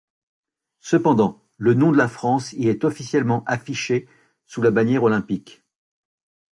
Cependant, le nom de la France y est officiellement affiché sous la bannière olympique.